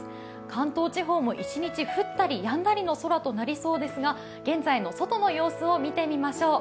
関東地方も一日、降ったりやんだりの空となりそうですが、現在の外の様子を見てみましょう。